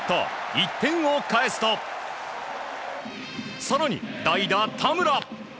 １点を返すと更に代打、田村。